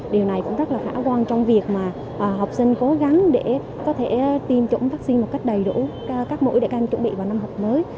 điều này cũng rất là khả quan trong việc mà học sinh cố gắng để có thể tiêm chủng vaccine một cách đầy đủ các mũi để can chuẩn bị vào năm học mới